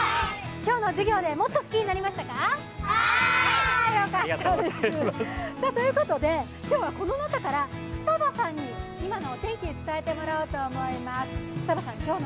今日の授業でもっと好きになりましたか？ということで、今日はこの中からふたばさんに今のお天気をお伝えしてもらいます。